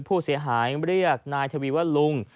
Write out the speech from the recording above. ผู้เสียหายเรียกนายทวีว่าลุง